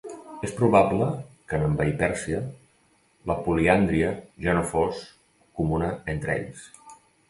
És probable que, en envair Pèrsia, la poliàndria ja no fos comuna entre ells.